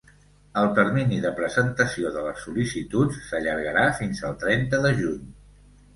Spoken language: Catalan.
El termini de presentació de les sol·licituds s’allargarà fins al trenta de juny.